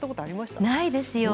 ないですよ。